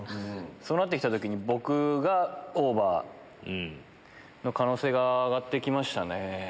そうなって来た時に僕がオーバーの可能性が上がって来ましたね。